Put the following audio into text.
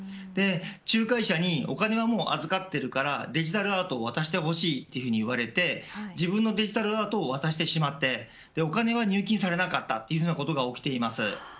仲介者にお金を預かっているからデジタルアートを渡してほしいと言われて自分のデジタルアート渡してしまってお金が入金されなかったということが起きています。